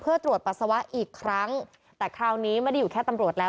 เพื่อตรวจปัสสาวะอีกครั้งแต่คราวนี้ไม่ได้อยู่แค่ตำรวจแล้ว